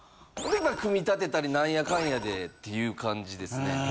組み立てたりなんやかんやでっていう感じですね。